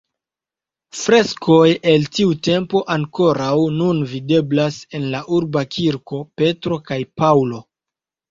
Freskoj el tiu tempo ankoraŭ nun videblas en la urba kirko Petro kaj Paŭlo.